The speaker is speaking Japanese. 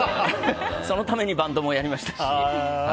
そのためにバンドもやりましたし。